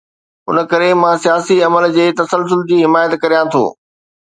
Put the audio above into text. ان ڪري مان سياسي عمل جي تسلسل جي حمايت ڪريان ٿو.